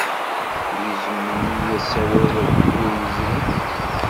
Gezmen-iyi asawal ayyur yezrin.